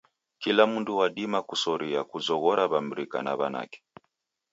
Kila mndu wadima kusoria kuzoghora w'amrika na w'anake.